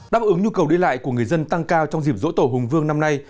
đáp ứng nhu cầu đi lại của người dân tăng cao trong dịp dỗ tổ hùng vương năm nay